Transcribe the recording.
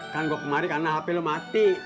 kan gue kemari karena hp lo mati